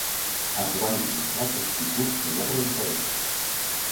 Es van utilitzar dos tipus de lletra diferents.